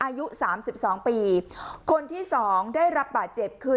อายุสามสิบสองปีคนที่สองได้รับบาดเจ็บคือ